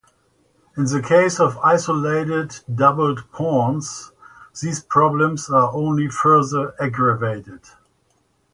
In the case of isolated doubled pawns, these problems are only further aggravated.